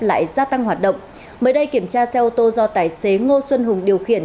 lại gia tăng hoạt động mới đây kiểm tra xe ô tô do tài xế ngô xuân hùng điều khiển